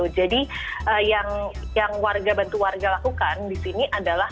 jadi yang warga bantu warga lakukan di sini adalah